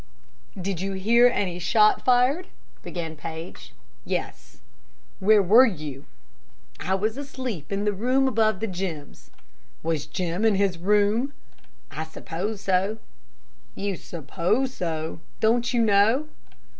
"Did you hear any shot fired?" began Paige. "Yes." "Where were you?" "I was asleep in the room above Jim's." "Was Jim in his room?" "I suppose so." "You suppose so. Don't you know?"